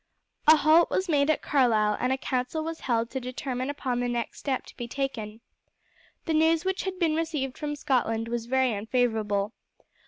A halt was made at Carlisle and a council was held to determine upon the next step to be taken. The news which had been received from Scotland was very unfavourable.